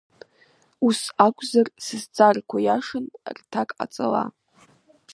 Ус акәзар, сызҵаарақәа иашан рҭак ҟаҵала.